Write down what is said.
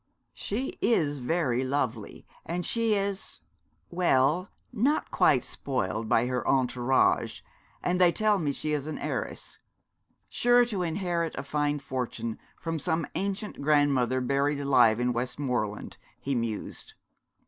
'She is very lovely, and she is well not quite spoiled by her entourage, and they tell me she is an heiress sure to inherit a fine fortune from some ancient grandmother, buried alive in Westmoreland,' he mused.